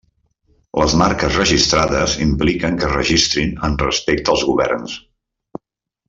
Les marques registrades impliquen que es registrin en respecte als governs.